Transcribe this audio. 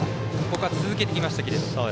ここは続けてきました。